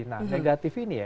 nah itu yang positif ini ya